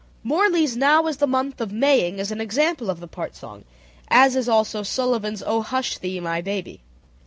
Morley's "Now is the Month of Maying" is an example of the part song, as is also Sullivan's "O Hush Thee, My Baby."